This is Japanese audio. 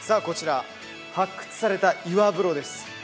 こちら発掘された岩風呂です